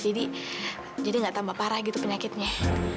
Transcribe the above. jadi jadi gak tambah parah gitu penyakitnya